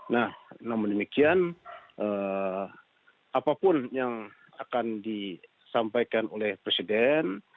nah namun demikian apapun yang akan disampaikan oleh presiden